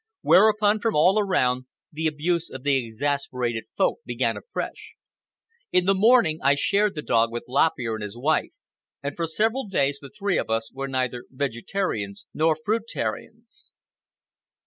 Whereupon, from all around, the abuse of the exasperated Folk began afresh. In the morning I shared the dog with Lop Ear and his wife, and for several days the three of us were neither vegetarians nor fruitarians.